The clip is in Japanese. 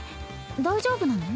大丈夫なの？